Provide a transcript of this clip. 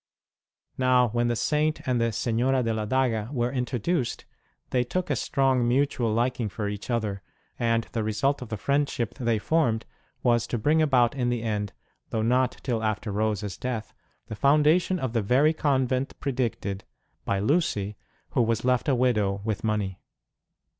Now, when the Saint and the Senora de la Daga were introduced, they took a strong mutual liking for each other, and the result of the friend ship they formed was to bring about in the end (though not till after Rose s death) the foundation of the very convent predicted, by Lucy, who was left a widow with money.